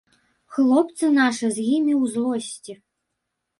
Хлопцы нашы з імі ў злосці.